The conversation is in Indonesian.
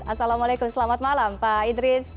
assalamualaikum selamat malam pak idris